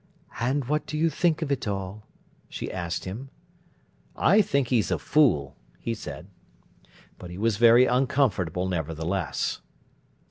"And what do you think of it all?" she asked him. "I think he's a fool," he said. But he was very uncomfortable, nevertheless.